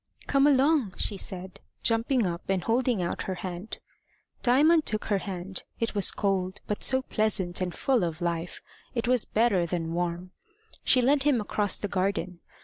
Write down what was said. "Come along," she said, jumping up and holding out her hand. Diamond took her hand. It was cold, but so pleasant and full of life, it was better than warm. She led him across the garden.